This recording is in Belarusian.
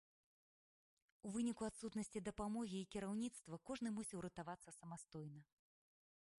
У выніку адсутнасці дапамогі і кіраўніцтва кожны мусіў ратавацца самастойна.